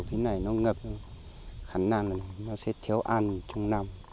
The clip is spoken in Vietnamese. thế này nó ngập khả năng nó sẽ thiếu ăn trong năm